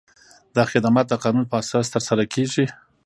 دا خدمات د قانون په اساس ترسره کیږي.